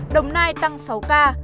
đồng nai tăng sáu ca